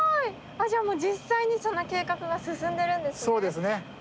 じゃあもう実際にその計画が進んでるんですね。